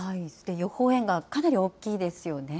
予報円がかなり大きいですよね。